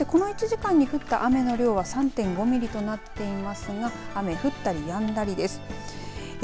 そしてこの１時間に降った雨の量は３．５ミリとなっていますが雨は降ったり、やんだりです。